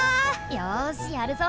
よしやるぞ！